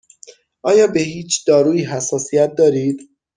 آیا به هیچ دارویی حساسیت دارید؟